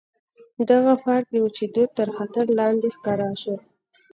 دغه پارک د وچېدو تر خطر لاندې ښکاره شو.